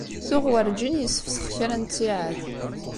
Tuɣ werǧin yessefsex kra n ttiɛad.